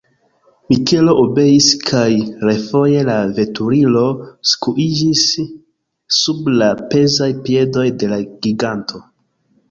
Mikelo obeis kaj refoje la veturilo skuiĝis sub la pezaj piedoj de la giganto.